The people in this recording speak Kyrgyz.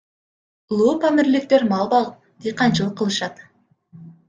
Улуупамирликтер мал багып, дыйканчылык кылышат.